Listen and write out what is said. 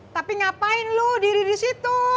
tapi ngapain lo diri disitu